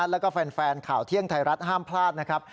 แล้วก็แฟนข่าวเที่ยงไทยรัฐห้ามพลาดนะครับ